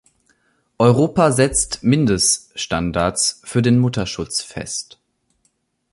Europa setzt Mindeststandards für den Mutterschutz fest.